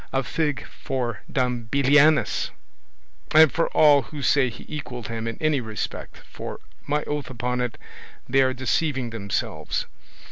A fig for Don Belianis, and for all who say he equalled him in any respect, for, my oath upon it, they are deceiving themselves!